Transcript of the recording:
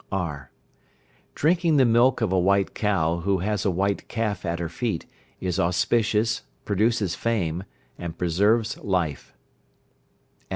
(r). Drinking the milk of a white cow who has a white calf at her feet is auspicious, produces fame, and preserves life.